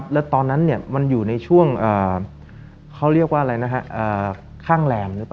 และตอนนั้นมันอยู่ในช่วงเขาเรียกว่าอะไรนะครับ